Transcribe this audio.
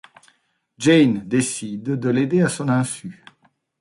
Jane décide de l'aider à son insu.